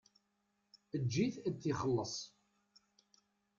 Eǧǧ-it ad t-ixelleṣ.